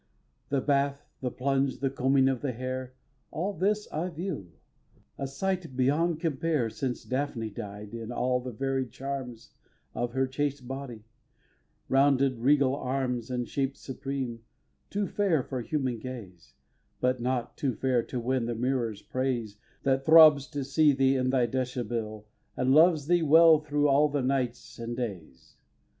vi. The bath, the plunge, the combing of the hair, All this I view, a sight beyond compare Since Daphne died in all the varied charms Of her chaste body, rounded regal arms, And shape supreme, too fair for human gaze, But not too fair to win the mirror's praise That throbs to see thee in thy déshabille And loves thee well through all the nights and days.